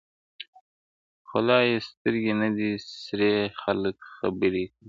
خو لا يې سترگي نه دي سرې خلگ خبري كـوي